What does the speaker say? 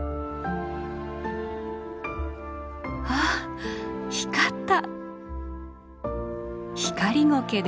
あっ光った！